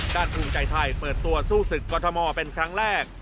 ด้านภูมิใจไทยเปิดตัวสู้ศึกกฎมอล์เป็นครั้งแรก